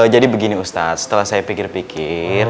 jadi begini ustad setelah saya pikir pikir